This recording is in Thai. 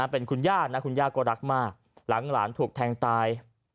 เป็นคุณย่านะคุณย่าก็รักมากหลังหลานถูกแทงตาย